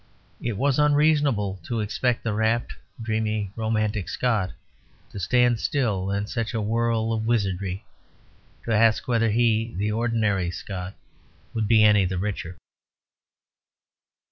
It was unreasonable to expect the rapt, dreamy, romantic Scot to stand still in such a whirl of wizardry to ask whether he, the ordinary Scot, would be any the richer.